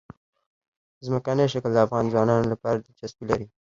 ځمکنی شکل د افغان ځوانانو لپاره دلچسپي لري.